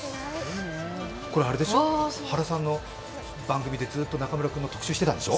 これ原さんの番組でずっと中村君の特集してたんでしょ？